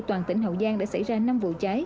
toàn tỉnh hậu giang đã xảy ra năm vụ cháy